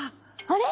あれ？